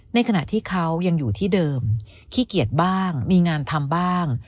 ในขณะที่เขายังอยู่ที่เดิมขี้เกียจบ้างมีงานทำบ้าง